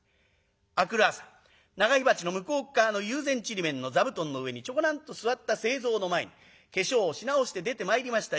明くる朝長火鉢の向こうっ側の友禅ちりめんの座布団の上にちょこなんと座った清蔵の前に化粧をし直して出てまいりました